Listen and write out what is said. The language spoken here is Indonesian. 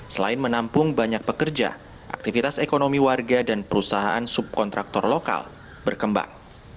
selain menampung banyak pekerja aktivitas ekonomi warga dan perusahaan subkontraktor lokal berkembang